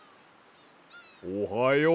おはよう。